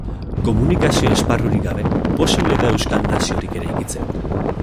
Komunikazio esparrurik gabe, posible da euskal naziorik eraikitzea?